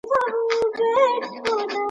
مجلس د چاپېريال ساتنې په اړه اندېښنه څرګندوي.